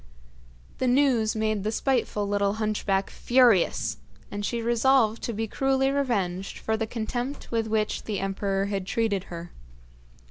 The news made the spiteful little hunchback furious, and she resolved to be cruelly revenged for the contempt with which the emperor had treated her.